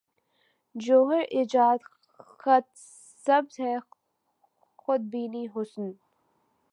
جوہر ایجاد خط سبز ہے خود بینیٔ حسن